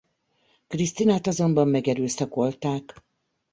Christinát azonban megerőszakolták.